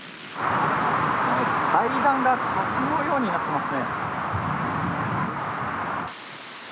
階段が滝のようになってます